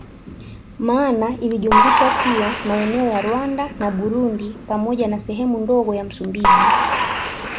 Maana ilijumlisha pia maeneo ya Rwanda na Burundi pamoja na sehemu ndogo ya Msumbiji